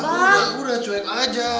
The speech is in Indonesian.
atulah udah udah cuek aja